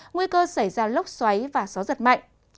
nguy cơ xảy ra lốc xoáy và gió giật mạnh